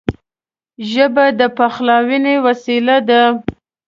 ژبه د پخلاینې وسیله ده